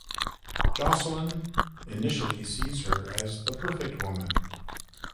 Jocelin initially sees her as the perfect woman.